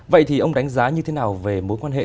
vậy thì ông đánh giá như thế nào về mối quan hệ